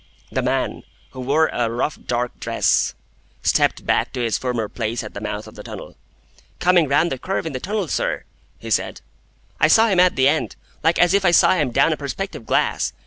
The man, who wore a rough dark dress, stepped back to his former place at the mouth of the tunnel. "Coming round the curve in the tunnel, sir," he said, "I saw him at the end, like as if I saw him down a perspective glass.